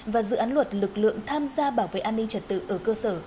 và dự án luật lực lượng tham gia bảo vệ an ninh trật tự ở cơ sở